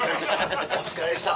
お疲れっした。